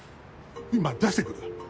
今出してくる。